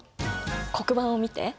黒板を見て！